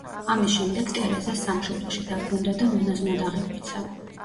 ამის შემდეგ ტერეზა სამშობლოში დაბრუნდა და მონაზვნად აღიკვეცა.